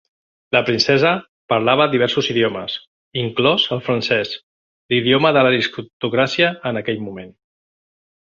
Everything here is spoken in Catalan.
La princesa parlava diversos idiomes, inclòs el francès, l'idioma de l'aristocràcia en aquell moment.